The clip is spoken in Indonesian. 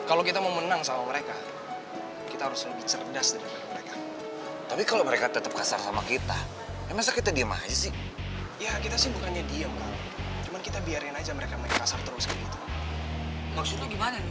alhamdulillah akhirnya kita selesai